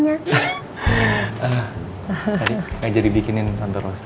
nanti ngajak dibikinin tante rosa